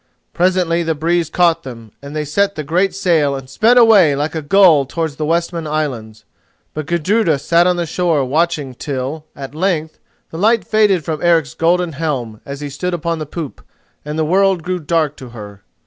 Presently the breeze caught them, and they set the great sail and sped away like a gull towards the Westman Isles. But Gudruda sat on the shore watching till, at length, the light faded from Eric's golden helm as he stood upon the poop, and the world grew dark to her.